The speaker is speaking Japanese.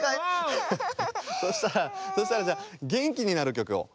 そしたらそしたらじゃげんきになるきょくを。